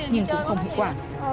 nhưng cũng không hữu quả